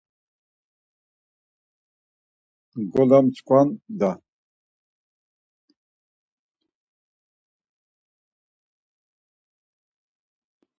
Ngola msǩvan da!